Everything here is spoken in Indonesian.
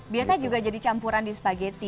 biasa juga jadi campuran di spaghetti